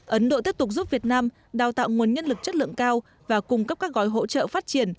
ấn độ tiếp tục giúp việt nam đào tạo nguồn nhân lực chất lượng cao và cung cấp các gói hỗ trợ phát triển